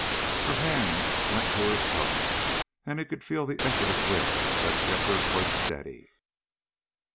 Her hands went to her throat, and he could feel the effort of will that kept her voice steady.